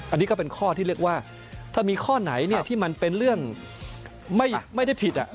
อันนี้ก็เป็นข้อที่เรียกว่าถ้ามีข้อไหนที่มันเป็นเรื่องไม่ได้ผิด